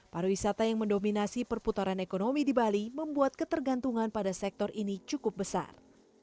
pariwisata yang mendominasi perputaran ekonomi di bali membuat ketergantungan pada sektor ini cukup besar